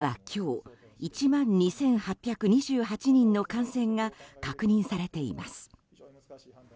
大阪府では今日１万２８２８人の感染が確認されています。